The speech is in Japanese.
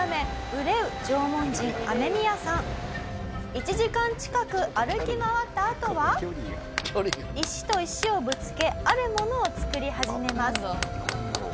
１時間近く歩き回ったあとは石と石をぶつけあるものを作り始めます。